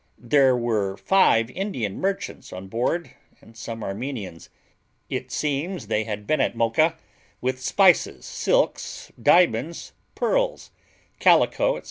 There were five Indian merchants on board, and some Armenians. It seems they had been at Mocha with spices, silks, diamonds, pearls, calico, &c.